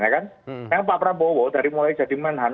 yang prabowo dari mulai jadi menahan